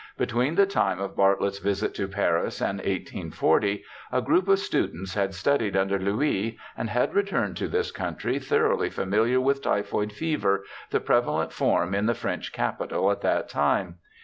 Between the time of Bartlett's visit to Paris and 1840, a group of students had studied under Louis, and had returned to this country thoroughly familiar with typhoid fever, the prevalent form in the French capital at that time.